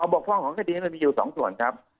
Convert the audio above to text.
บกพร่องของคดีนี้มันมีอยู่๒ส่วนครับ